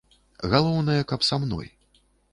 Галоўнае, каб са мной.